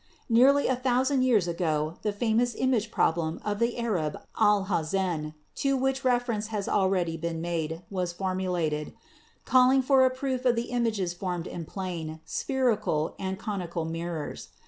Nearly a thousand years ago the famous Image Problem of the Arab Al Hazen, to which reference has already been made, was formulated, calling for a proof of the images formed in plane, spheri cal and conical mirrors.